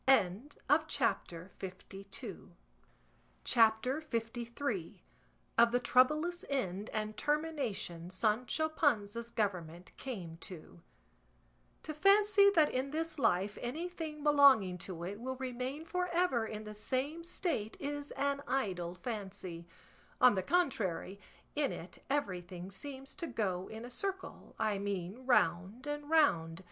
CHAPTER LIII. OF THE TROUBLOUS END AND TERMINATION SANCHO PANZA'S GOVERNMENT CAME TO To fancy that in this life anything belonging to it will remain for ever in the same state is an idle fancy; on the contrary, in it everything seems to go in a circle, I mean round and round.